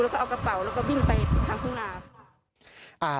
แล้วก็เอากระเป๋าแล้วก็วิ่งไปทางทุ่งนาค่ะ